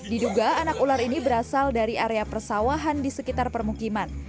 diduga anak ular ini berasal dari area persawahan di sekitar permukiman